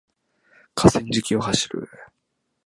河川敷を走る